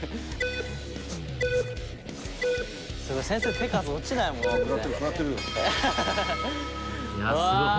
先生手数落ちないもんね。